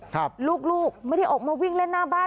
ลูกลูกไม่ได้ออกมาวิ่งเล่นหน้าบ้าน